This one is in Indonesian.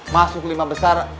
masuk lima besar